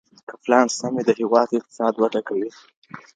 که پلان سم وي د هیواد اقتصاد وده کوي.